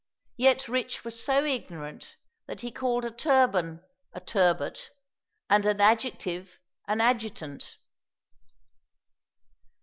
Yet Rich was so ignorant that he called a 'turban' a 'turbot,' and an 'adjective' an 'adjutant.